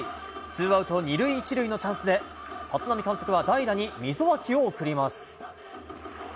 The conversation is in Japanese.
ツーアウト２塁１塁のチャンスで、立浪監督は代打に溝脇を送ります。